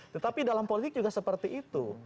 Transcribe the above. tetapi dalam politik juga seperti itu